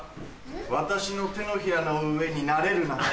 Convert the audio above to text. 私の手のひらの上に慣れるな。